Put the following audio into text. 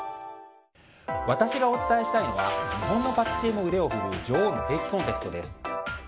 私がお伝えしたいのは日本のパティシエも腕を振るう女王のケーキコンテストです。